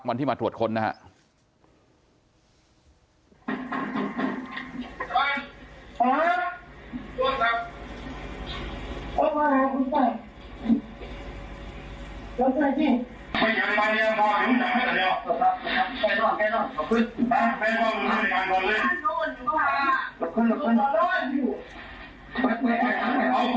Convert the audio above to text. วันที่มาตรวจค้นนะฮะ